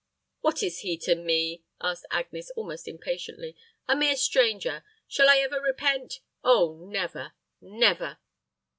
"What is he to me?" asked Agnes, almost impatiently. "A mere stranger. Shall I ever repent? oh, never never!"